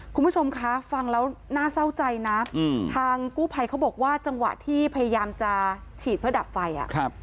คุณผู้ชมคะฟังแล้วน่าเศร้าใจนะทางกู้ภัยเขาบอกว่าจังหวะที่พยายามจะฉีดเพื่อดับไฟอ่ะ